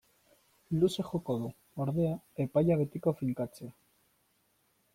Luze joko du, ordea, epaia betiko finkatzea.